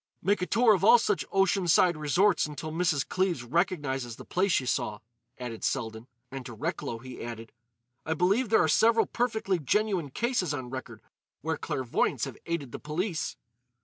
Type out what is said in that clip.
"Make a tour of all such ocean side resorts until Mrs. Cleves recognises the place she saw," added Selden. And to Recklow he added: "I believe there are several perfectly genuine cases on record where clairvoyants have aided the police."